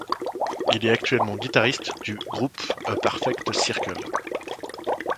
Il est actuellement guitariste du groupe A Perfect Circle.